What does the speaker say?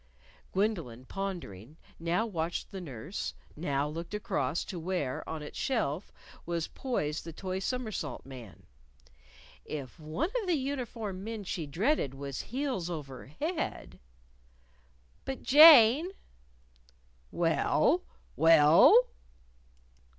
Gwendolyn, pondering, now watched the nurse, now looked across to where, on its shelf, was poised the toy somersault man. If one of the uniformed men she dreaded was heels over head "But, Jane." "Well? Well?"